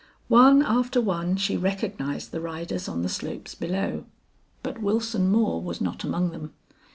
One after one she recognized the riders on the slopes below, but Wilson Moore was not among them.